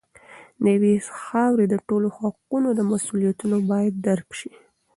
د یوې خاورې د ټولو حقونه او مسوولیتونه باید درک شي.